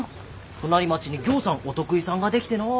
隣町にぎょうさんお得意さんができてのう。